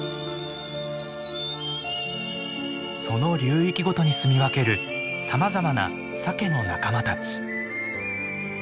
その流域ごとにすみ分けるさまざまなサケの仲間たち。